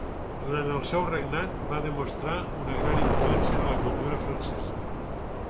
Durant el seu regnat va demostrar una gran influència de la cultura francesa.